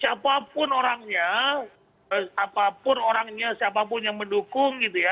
siapapun orangnya apapun orangnya siapapun yang mendukung gitu ya